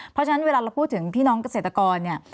เพราะฉะนั้นเวลาเราพูดถึงพี่น้องเกษตรกรเนี่ย